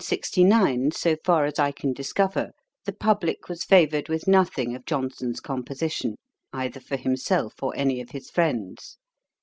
In 1769, so far as I can discover, the publick was favoured with nothing of Johnson's composition, either for himself or any of his friends.